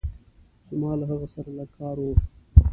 زما له هغه سره لږ کار وه.